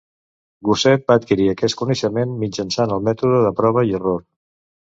Gosset va adquirir aquest coneixement mitjançant el mètode de prova i error.